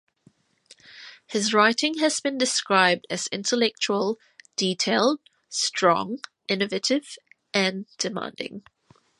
His writing has been described as intellectual, detailed, strong, innovative, and demanding.